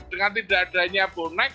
dengan tidak adanya bonek